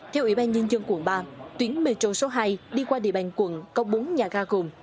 theo ủy ban nhân dân quận ba tuyến metro số hai đi qua địa bàn quận có bốn nhà ga gồm